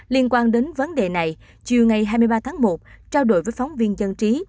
liên quan đến vấn đề này chiều ngày hai mươi ba tháng một trao đổi với phóng viên dân trí